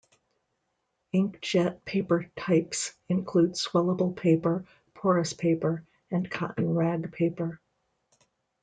Ink-jet paper types include swellable paper, porous paper, and cotton rag paper.